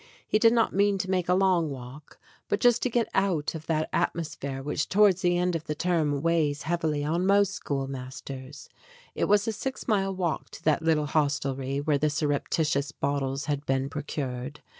He did not mean to make a long walk, but just to get out of that atmos phere which towards the end of the term weighs heavily on most schoolmasters. It was a six mile walk to that little hostelry where the surreptitious bottles had been procured.